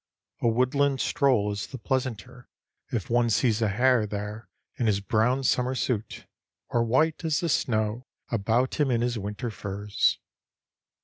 A woodland stroll is the pleasanter if one sees a hare there in his brown summer suit, or white as the snow about him in his winter furs.